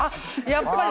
やっぱり。